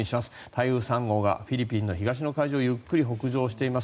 台風３号がフィリピンの東の海上をゆっくり北上しています。